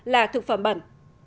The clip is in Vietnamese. là thực phẩm bẩn